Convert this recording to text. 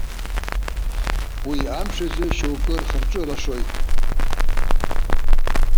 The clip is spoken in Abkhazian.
Уи амш азы шьоукы рхырҿы лашоит.